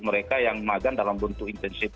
mereka yang magang dalam bentuk internship